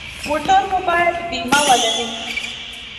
موټر مو باید بیمه ولري.